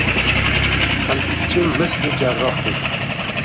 Tanqidchi misli jarrohdek